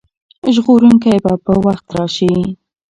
ژغورونکی به په وخت راشي.